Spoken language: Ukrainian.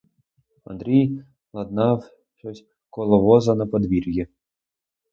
Андрій ладнав щось коло воза на подвір'ї.